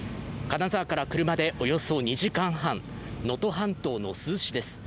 金沢から車でおよそ２時間半能登半島の珠洲市です。